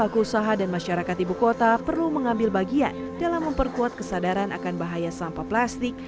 kota perlu mengambil bagian dalam memperkuat kesadaran akan bahaya sampah plastik